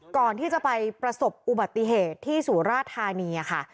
ก่อนที่จะไปประสบอุบัติเหตุที่สุราธานีค่ะ